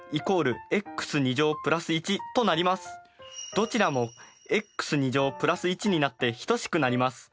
どちらもｘ＋１になって等しくなります。